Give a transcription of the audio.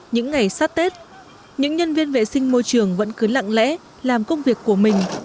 những ngày sát tết những nhân viên vệ sinh môi trường vẫn cứ lặng lẽ làm công việc của mình